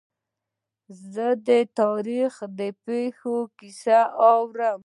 زه د تاریخي پېښو کیسې اورم.